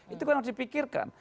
itu kan harus dipikirkan